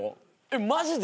マジで？